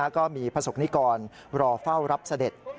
ก็มีประสบนิกรรอเฝ้ารับเสด็จ